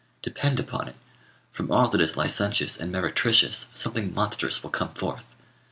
Depend upon it, from all that is licentious and meretricious something monstrous will come forth.